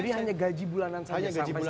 jadi hanya gaji bulanan saja sampai saat ini ya